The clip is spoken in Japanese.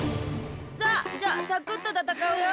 さあじゃあサクッとたたかうよ。